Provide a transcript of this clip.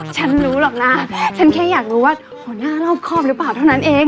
ฉันรู้หรอกนะฉันแค่อยากรู้ว่าหัวหน้ารอบครอบหรือเปล่าเท่านั้นเอง